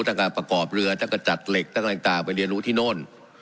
ตั้งกับประกอบเรือตั้งกับจัดเหล็กตั้งกันต่างไปเรียนรู้ที่โน่น